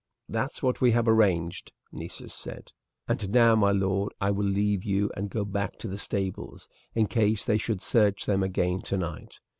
"That's what we have arranged," Nessus said. "And now, my lord, I will leave you and go back to the stables, in case they should search them again tonight.